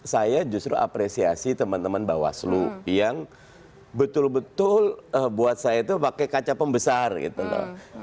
saya justru apresiasi teman teman bawaslu yang betul betul buat saya itu pakai kaca pembesar gitu loh